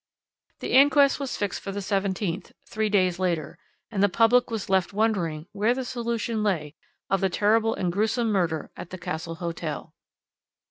"The inquest was fixed for the 17th, three days later, and the public was left wondering where the solution lay of the terrible and gruesome murder at the Castle Hotel."